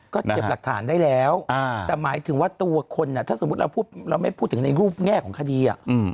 ก็เก็บหลักฐานได้แล้วแต่หมายถึงว่าตัวคนถ้าสมมุติเราไม่พูดถึงในรูปแง่ของคดี